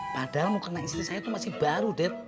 padahal mau kena istri saya itu masih baru dad